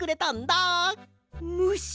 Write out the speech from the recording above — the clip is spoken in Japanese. むし！